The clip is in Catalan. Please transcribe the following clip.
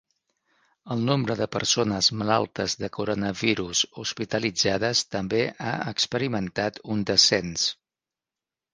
El nombre de persones malaltes de coronavirus hospitalitzades també ha experimentat un descens.